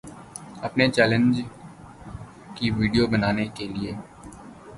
اپنے چینلز کی ویڈیو بنانے کے لیے